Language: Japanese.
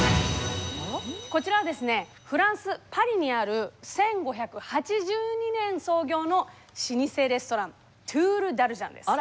こちらはですねフランス・パリにある１５８２年創業の老舗レストラントゥールダルジャンです。